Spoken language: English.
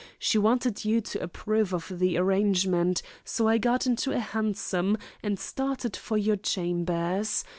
She wanted you to approve of the arrangement, so I got into a hansom and started for your chambers.